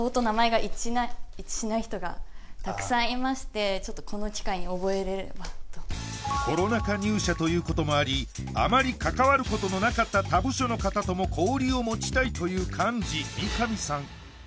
こちらが飲み会を開きたいという幹事んですけれどもコロナ禍入社ということもありあまり関わることのなかった他部署の方とも交流を持ちたいという幹事・三上さん